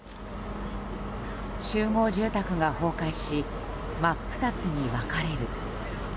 集合住宅が崩壊し真っ二つに分かれる。